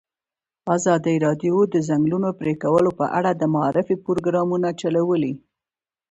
ازادي راډیو د د ځنګلونو پرېکول په اړه د معارفې پروګرامونه چلولي.